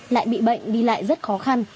lại bị bệnh đi lại rất khó khăn